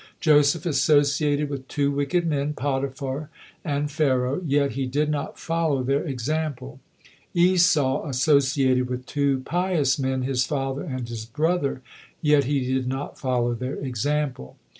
Joseph associated with two wicked men, Potiphar and Pharaoh, yet he did not follow their example; Esau associated with two pious men, his father and his brother, yet he did not follow their example.